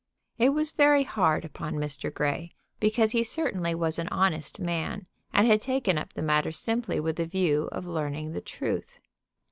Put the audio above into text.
It was very hard upon Mr. Grey, because he certainly was an honest man and had taken up the matter simply with a view of learning the truth.